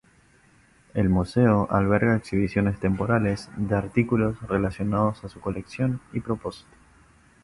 El museo alberga exhibiciones temporales de artículos relacionados a su colección y propósito.